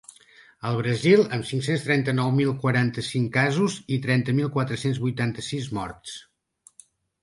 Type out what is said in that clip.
El Brasil, amb cinc-cents trenta-nou mil quaranta-cinc casos i trenta mil quatre-cents vuitanta-sis morts.